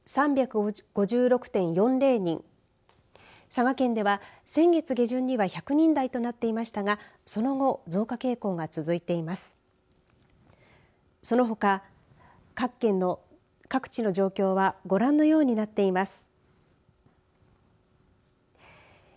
佐賀県では先月下旬には１００人台となっていましたがその後増加傾向が続いています。